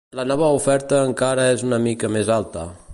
La nova oferta encara és una mica més alta.